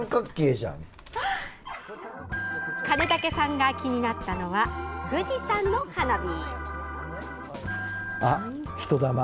金武さんが気になったのは富士山の花火。